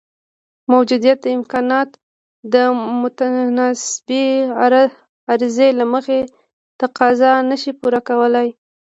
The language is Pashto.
موجوده امکانات د متناسبې عرضې له مخې تقاضا نشي پوره کولای.